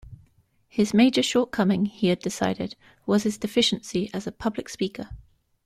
His major shortcoming, he had decided, was his deficiency as a public speaker.